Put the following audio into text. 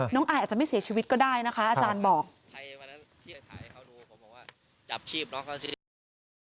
อายอาจจะไม่เสียชีวิตก็ได้นะคะอาจารย์บอก